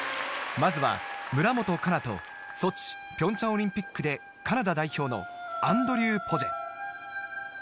まずは村元哉中とソチ平昌オリンピックでカナダ代表のアンドリュー・ポジェ